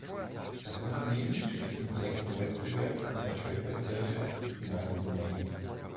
Das Unternehmen steht im direkten Wettbewerb mit der Schwestergesellschaft united-domains.